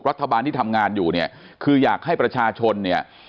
รัฐบาลที่ทำงานอยู่เนี่ยคืออยากให้ประชาชนเนี่ย